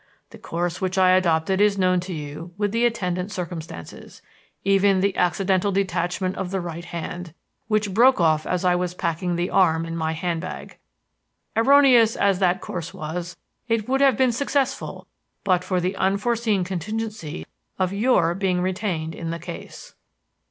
The course which I adopted is known to you with the attendant circumstances, even the accidental detachment of the right hand which broke off as I was packing the arm in my handbag. Erroneous as that course was, it would have been successful but for the unforeseen contingency of your being retained in the case.